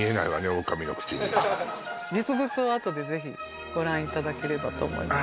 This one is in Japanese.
オオカミの口に実物はあとでぜひご覧いただければと思います